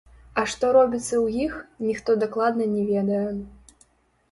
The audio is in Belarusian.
А што робіцца ў іх, ніхто дакладна не ведае.